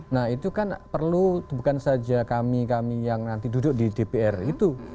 nah itu kan perlu bukan saja kami kami yang nanti duduk di dpr itu